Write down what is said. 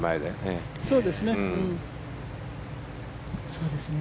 そうですね。